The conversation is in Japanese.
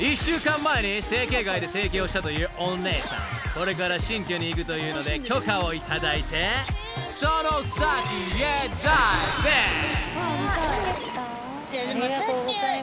［これから新居に行くというので許可を頂いてその先へダイビング！］